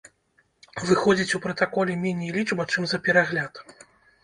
Выходзіць, у пратаколе меней лічба, чым за перагляд.